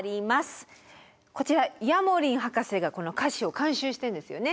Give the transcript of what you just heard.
こちらヤモリン博士がこの歌詞を監修してるんですよね？